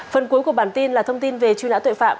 phần cuối của bản tin là thông tin về truy nã tội phạm